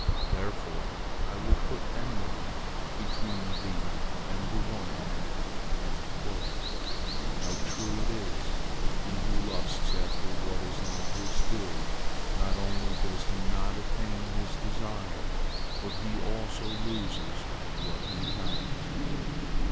Therefore I will put enmity between thee and the woman." How true it is—he who lusts after what is not his due, not only does he not attain his desire, but he also loses what he has!